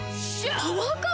パワーカーブ⁉